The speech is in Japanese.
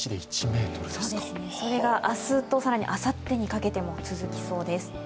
それが明日と更にあさってにかけても続きそうです。